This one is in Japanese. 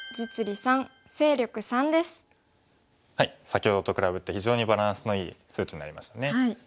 先ほどと比べて非常にバランスのいい数値になりましたね。